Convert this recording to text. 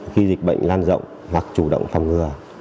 khi dịch bệnh lan rộng hoặc chủ động phòng ngừa